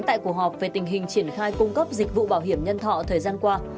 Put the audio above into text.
tại cuộc họp về tình hình triển khai cung cấp dịch vụ bảo hiểm nhân thọ thời gian qua